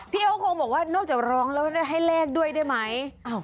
พี่เขาคงบอกว่านอกจากร้องแล้วให้เลขด้วยได้ไหม